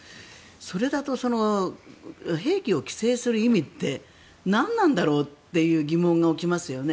それだと兵器を規制する意味って何なんだろうっていう疑問が起きますよね。